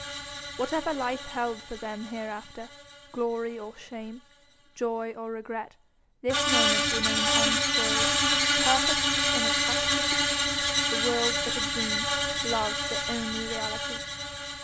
Whatever life held for them hereafter, glory or shame, joy or regret, this moment remained unspoiled, perfect in its esctasy, the world but a dream, love the only reality.